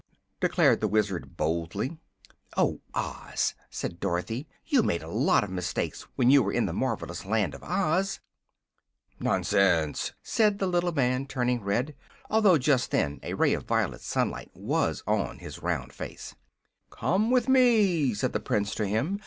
declared the Wizard, boldly. "Oh, Oz!" said Dorothy; "you made a lot of mistakes when you were in the marvelous Land of Oz." "Nonsense!" said the little man, turning red although just then a ray of violet sunlight was on his round face. "Come with me," said the Prince to him.